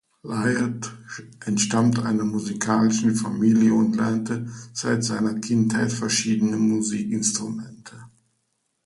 Laird entstammt einer musikalischen Familie und lernte seit seiner Kindheit verschiedene Musikinstrumente.